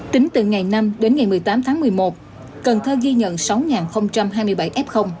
tính từ ngày năm đến ngày một mươi tám tháng một mươi một cần thơ ghi nhận sáu hai mươi bảy f